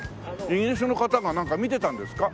イギリスの方がなんか見てたんですか？